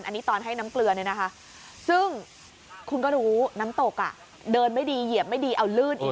อันนี้ตอนให้น้ำเกลือเนี่ยนะคะซึ่งคุณก็รู้น้ำตกเดินไม่ดีเหยียบไม่ดีเอาลื่นอีก